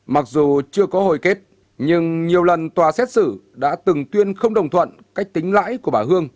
mặc dù chưa có hồi kết nhưng nhiều lần tòa xét xử đã từng tuyên không đồng thuận cách tính lãi của bà hương